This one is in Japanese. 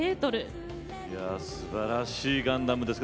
すばらしいガンダムです。